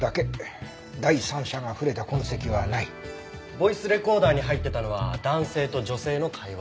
ボイスレコーダーに入ってたのは男性と女性の会話。